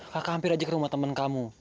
kakak hampir aja ke rumah teman kamu